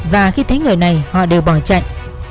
và khi thấy người này họ đều bỏ chạy